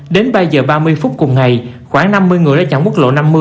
đến ba h ba mươi phút cùng ngày khoảng năm mươi người ra chặng quốc lộ năm mươi